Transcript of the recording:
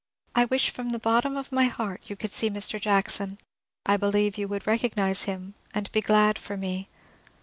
I wish from the bottom of my heart you could see Mr. Jackson ; I believe yon would recognise him, and be glad for me.